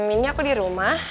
ini aku di rumah